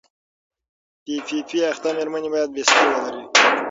پي پي پي اخته مېرمنې باید بستر ولري.